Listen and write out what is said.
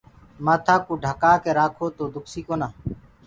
مآٿآ ڪو ڍڪآ ڪي رآکو تو دُکسي ڪونآ۔